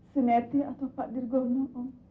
seneti atau pak dirgono